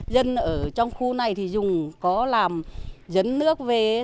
dân ở trong khu này thì dùng có làm dấn nước về